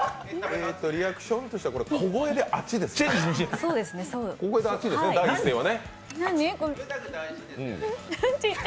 えーと、リアクションとしては、小声で「あちっ」ですね。